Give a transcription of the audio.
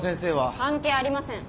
関係ありません。